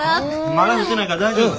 まだ降ってないから大丈夫。